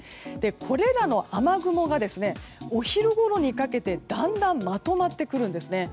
これらの雨雲がお昼ごろにかけてだんだんまとまってくるんです。